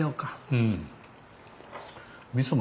うん。